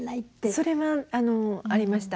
それはありました。